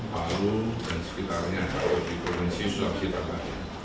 palu dan sekitarnya kalau di provinsi sulawesi tengah